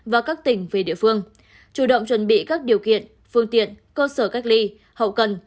và các tỉnh về địa phương chủ động chuẩn bị các điều kiện phương tiện cơ sở cách ly hậu cần